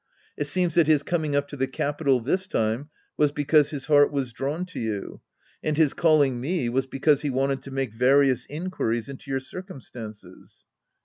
It seems that his coming up to the capital this time was because his heart was drawn to you. And his calling me was because he wanted to make various inquiries into your circumstances.